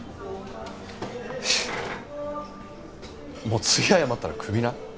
もう次謝ったらクビな。